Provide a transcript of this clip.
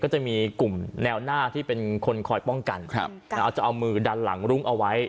จะมีกลุ่มแนวหน้าที่เป็นคนคอยป้องกันเอาจะเอามือดันหลังรุ้งเอาไว้